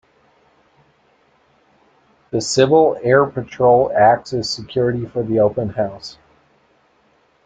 The Civil Air Patrol acts as security for the open house.